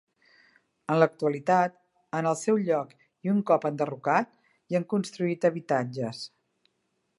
En l'actualitat, en el seu lloc i un cop enderrocat, hi han construït habitatges.